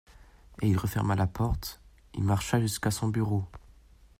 Et il referma la porte, il marcha jusqu'à son bureau.